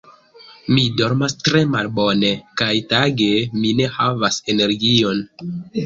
Mi dormas tre malbone, kaj tage mi ne havas energion.